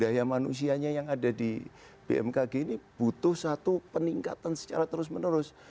daya manusianya yang ada di bmkg ini butuh satu peningkatan secara terus menerus